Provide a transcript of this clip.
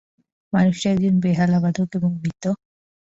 মানুষটি একজন বেহালাবাদক এবং মৃত।